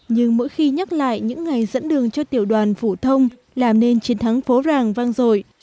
nhưng lại những ngày dẫn đường cho tiểu đoàn phủ thông làm nên chiến thắng phố ràng vang dội